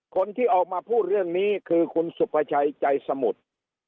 คนที่ออกมาพูดเรื่องนี้คือคุณสุภาชัยใจสมุทร